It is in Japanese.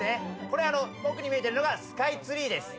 これ遠くに見えてるのがスカイツリーです。